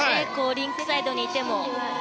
リンクサイドにいても。